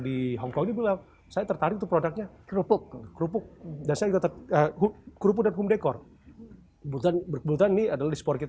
di hongkong juga saya tertarik produknya kerupuk kerupuk jadinya kategori berputar mereka di jeno